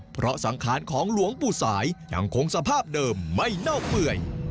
เพราะสังขารของหลวงปู่สายยังคงสภาพเดิมไม่เน่าเปื่อย